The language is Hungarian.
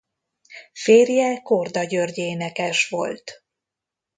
Férje Korda György énekes volt.